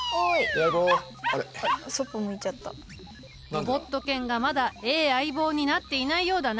ロボット犬がまだ「ええ相棒」になっていないようだな。